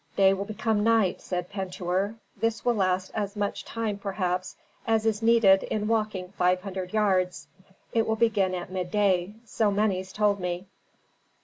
"Day will become night," said Pentuer. "This will last as much time, perhaps, as is needed in walking five hundred yards. It will begin at midday, so Menes told me."